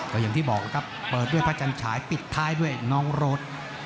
ก็อย่างที่บอกนะครับเปิดด้วยพระจันฉายปิดท้ายด้วยน้องรถ